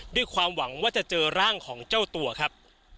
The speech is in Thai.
ด้วยความหวังว่าจะเจอร่างของเจ้าตัวครับ